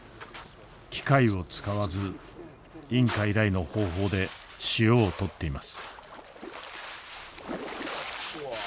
機械を使わずインカ以来の方法で塩を採っています。